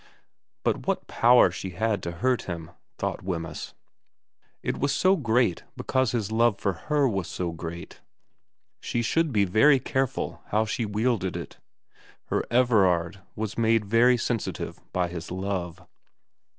But what power she had to hurt him, thought Wemyss ; it was so great because his love for her was so great. She should be very careful how she wielded it. Her Everard was made very sensitive by his love.